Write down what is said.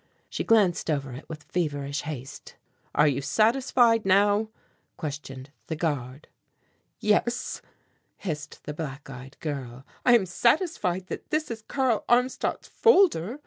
She glanced over it with feverish haste. "Are you satisfied now?" questioned the guard. "Yes," hissed the black eyed girl; "I am satisfied that this is Karl Armstadt's folder.